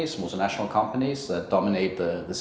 solusi lingkungan dan tidak terlepas